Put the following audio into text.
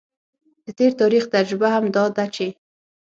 د تیر تاریخ تجربه هم دا ده چې